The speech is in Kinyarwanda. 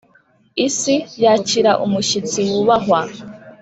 isi, yakira umushyitsi wubahwa: